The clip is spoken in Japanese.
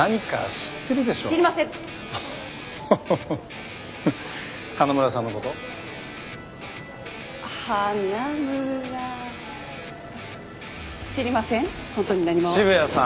知りません